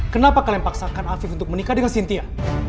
kenapa kalian paksakan afif untuk menikah dengan sintia